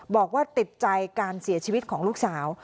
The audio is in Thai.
บอกว่าติดใจการเสียชีวิตของลูกสาว